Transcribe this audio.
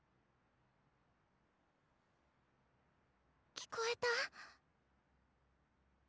聞こえた？